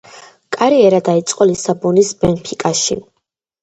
კარიერა დაიწყო ლისაბონის ბენფიკაში.